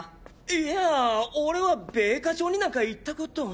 いや俺は米花町になんか行ったこと。